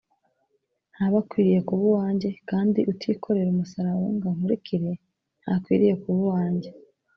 ntaba akwiriye kuba uwanjye kandi utikorera umusaraba we ngo ankurikire, ntakwiriye kuba uwanjye”